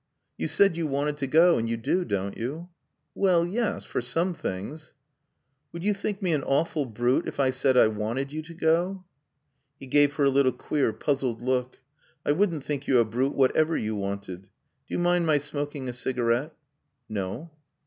"You said you wanted to go, and you do, don't you?" "Well, yes for some things." "Would you think me an awful brute if I said I wanted you to go?" He gave her a little queer, puzzled look. "I wouldn't think you a brute whatever you wanted. Do you mind my smoking a cigarette?" "No."